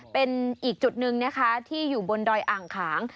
เป็นอีกจุดหนึ่งนะคะที่อยู่บนดอยอ่างขาง